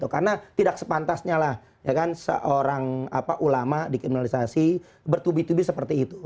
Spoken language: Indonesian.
karena tidak sepantasnya seorang ulama dikriminalisasi bertubi tubi seperti itu